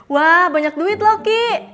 wah banyak duit loh ki